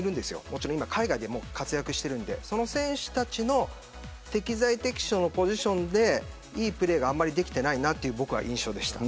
もちろん海外で活躍しているのでその選手たちの適材適所のポジションでいいプレーがあまりできていないなという印象でした。